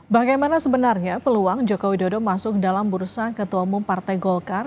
bagaimana sebenarnya peluang jokowi dodo masuk dalam bursa ketua umum partai golkar